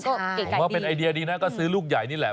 ผมว่าเป็นไอเดียดีนะก็ซื้อลูกใหญ่นี่แหละ